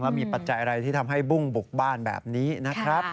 มีปัจจัยอะไรที่ทำให้บุ้งบุกบ้านแบบนี้นะครับ